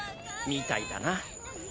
みたいだな。